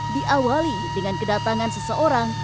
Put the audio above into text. diawali dengan kedatangan seseorang